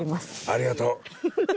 ありがとう。